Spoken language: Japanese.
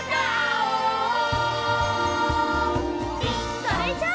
それじゃあ。